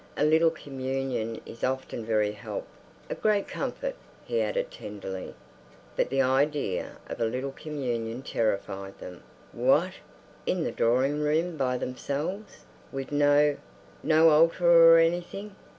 A little Communion is often very help—a great comfort," he added tenderly. But the idea of a little Communion terrified them. What! In the drawing room by themselves—with no—no altar or anything!